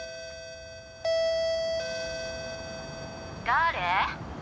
「誰？」